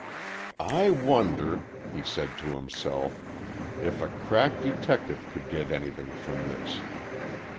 "I wonder," he said to himself, "if a crack detective could get anything from this.